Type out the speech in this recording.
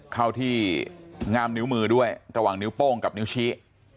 เข้าที่ง่ามนิ้วมือด้วยระหว่างนิ้วโป้งกับนิ้วชี้